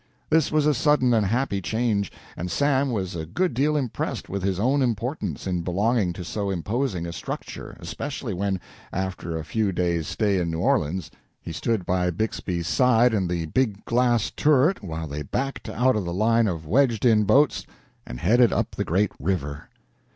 This was a sudden and happy change, and Sam was a good deal impressed with his own importance in belonging to so imposing a structure, especially when, after a few days' stay in New Orleans, he stood by Bixby's side in the big glass turret while they backed out of the line of wedged in boats and headed up the great river.